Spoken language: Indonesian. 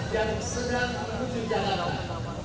yang sedang mengusir jawaban